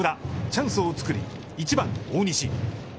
チャンスを作り、１番大西。